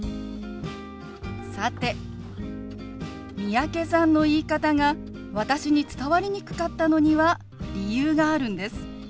さて三宅さんの言い方が私に伝わりにくかったのには理由があるんです。